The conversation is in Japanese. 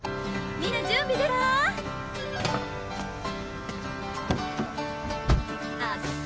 みんな準備できた？